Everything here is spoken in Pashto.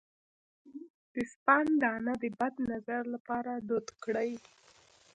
د سپند دانه د بد نظر لپاره دود کړئ